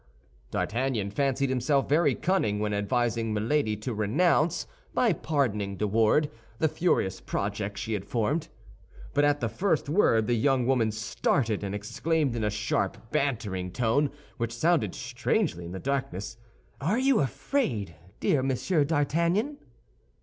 D'Artagnan fancied himself very cunning when advising Milady to renounce, by pardoning De Wardes, the furious projects she had formed. But at the first word the young woman started, and exclaimed in a sharp, bantering tone, which sounded strangely in the darkness, "Are you afraid, dear Monsieur d'Artagnan?"